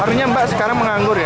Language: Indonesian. barunya mbak sekarang menganggur ya